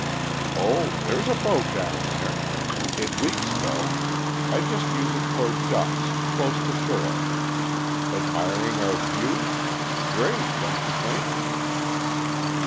"Oh, there's a boat down there. It leaks, though. I just use it for ducks, close to shore. Admiring our view? Great, don't you think?"